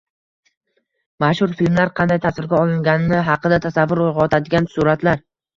Mashhur filmlar qanday tasvirga olingani haqida tasavvur uyg‘otadigan suratlar